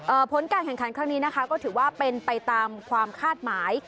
ผลการแข่งขันครั้งนี้นะคะก็ถือว่าเป็นไปตามความคาดหมาย